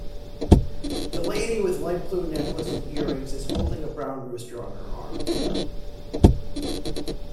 The lady with light blue necklace, and earrings is holding a brown rooster in her arm.